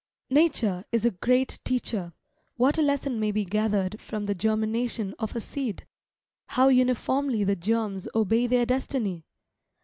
Nature is a great teacher. What a lesson may be gathered from the germination of a seed; how uniformly the germs obey their destiny.